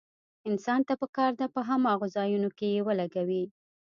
انسان ته پکار ده په هماغو ځايونو کې يې ولګوي.